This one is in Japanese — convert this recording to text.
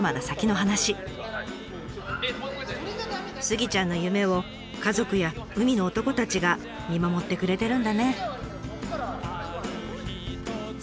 スギちゃんの夢を家族や海の男たちが見守ってくれてるんだね。